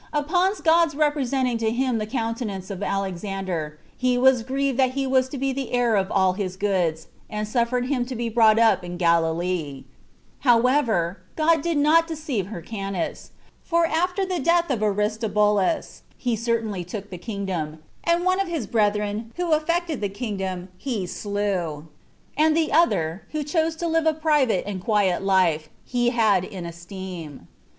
Upon God's representing to him the countenance of Alexander, he was grieved that he was to be the heir of all his goods, and suffered him to be brought up in Galilee, However, God did not deceive Hyrcanus; for after the death of Aristobulus, he certainly took the kingdom; and one of his brethren, who affected the kingdom, he slew; and the other, who chose to live a private and quiet life, he had in esteem.